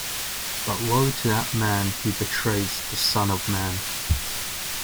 But woe to that man who betrays the Son of Man!